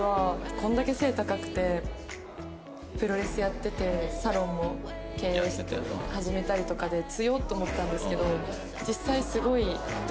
これだけ背高くてプロレスやっててサロンも経営始めたりとかで強っ！と思ったんですけど。